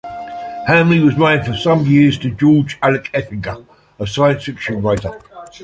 Hambly was married for some years to George Alec Effinger, a science fiction writer.